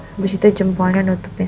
habis itu jempolnya nutupin